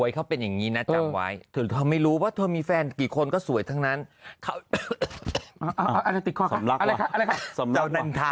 อย่างงี้นะจำไว้ถึงไม่รู้ว่าเธอมีแฟนกี่คนก็สวยทั้งนั้นเขาติดความรัก